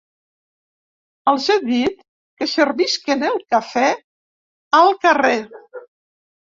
Els he dit que servisquen el café al carrer.